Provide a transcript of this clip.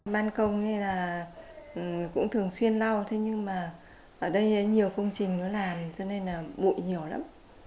ban công như là cũng thường xuyên lau thế nhưng mà ở đây nhiều công trình nó làm cho nên là bụi nhiều lắm